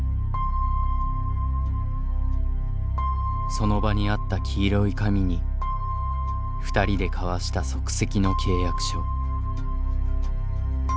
その場にあった黄色い紙に２人で交わした即席の契約書。